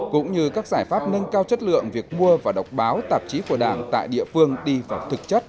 cũng như các giải pháp nâng cao chất lượng việc mua và đọc báo tạp chí của đảng tại địa phương đi vào thực chất